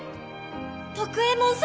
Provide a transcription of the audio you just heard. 徳右衛門様！